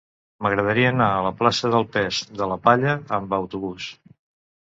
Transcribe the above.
M'agradaria anar a la plaça del Pes de la Palla amb autobús.